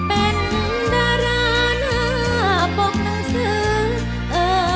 เป็นดาราหน้าปกหนังสือเออ